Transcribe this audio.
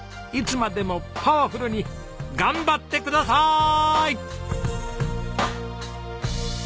いつまでもパワフルに頑張ってください！